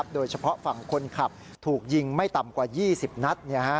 โดยเฉพาะฝั่งคนขับถูกยิงไม่ต่ำกว่า๒๐นัด